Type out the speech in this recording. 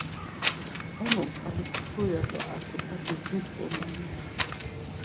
Hemuk hamuk tku ya do artikatis nutǩomenan.